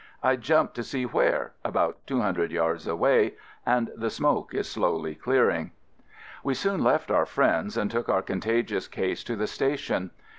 I jumped to see where — about two hundred yards away and the smoke is slowly clearing). We soon left our friends and took our contagious case to the station.